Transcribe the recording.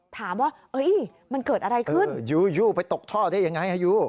ถามว่ามันเกิดอะไรขึ้นอยู่ไปตกท่อได้ยังไงยู